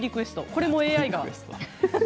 これもＡＩが。